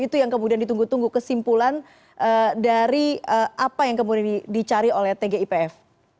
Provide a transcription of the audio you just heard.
itu yang kemudian ditunggu tunggu kesimpulan dari apa yang kemudian dicari oleh tgipf